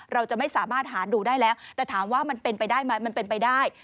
เราจะไม่สามารถหาดูได้แล้วแต่ถามว่ามันเป็นไปได้ไหมมันเป็นไปได้